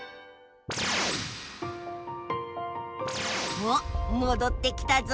おっもどってきたぞ。